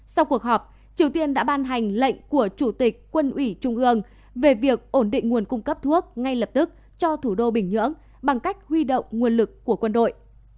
sau cuộc họp triều tiên đã ban hành lệnh của chủ tịch quân ủy trung ương về việc ổn định nguồn cung cấp thuốc ngay lập tức cho thủ đô bình nhưỡng bằng cách huy động nguồn lực của quân đội